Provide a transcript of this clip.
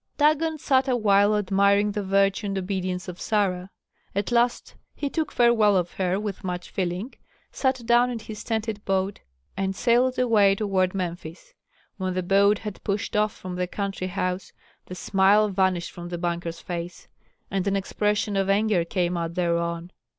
Dagon sat awhile admiring the virtue and obedience of Sarah; at last he took farewell of her with much feeling, sat down in his tented boat, and sailed away toward Memphis. When the boat had pushed off from the country house, the smile vanished from the banker's face, and an expression of anger came out thereon.